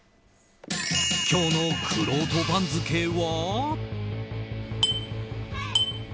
今日のくろうと番付は。